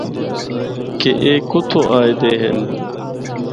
کہ اے کُتھو آئے دے ہن۔